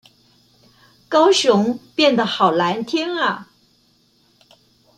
高雄變得好藍天阿